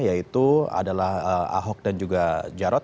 yaitu adalah ahok dan juga jarod